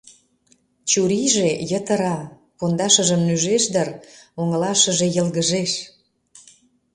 Чурийже йытыра, пондашыжым нӱжеш дыр — оҥылашыже йылгыжеш.